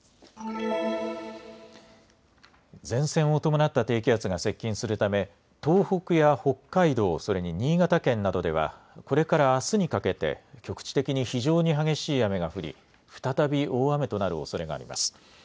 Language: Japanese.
前線を伴った低気圧が接近するため、東北や北海道、それに新潟県などではこれからあすにかけて局地的に非常に激しい雨が降り再び大雨となるおそれがあります。